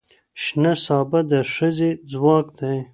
شنه سابه د ښځې ځواک دی